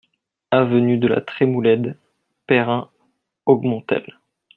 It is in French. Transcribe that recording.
Avenue de la Trémoulède, Payrin-Augmontel